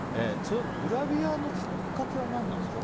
グラビアのきっかけは何なんですか。